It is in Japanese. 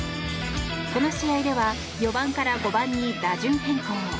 この試合では４番から５番に打順変更。